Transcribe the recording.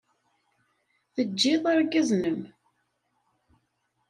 Teǧǧid argaz-nnem.